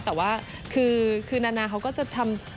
แต่ว่าคือนานาเขาก็จะทำ